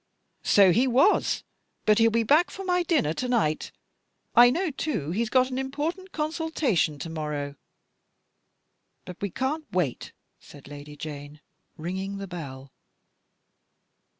So he was. But he'll be back for my dinner to night. I know, too, he's got an important consultation to morrow. But we can't wait," said Lady Jane, ringing the bell.